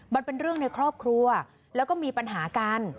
มันเป็นเรื่องในครอบครัวแล้วก็มีปัญหากัน